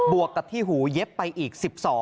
วกกับที่หูเย็บไปอีก๑๒